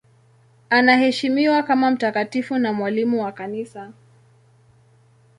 Anaheshimiwa kama mtakatifu na mwalimu wa Kanisa.